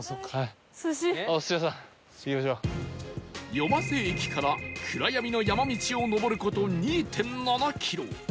夜間瀬駅から暗闇の山道を上る事 ２．７ キロ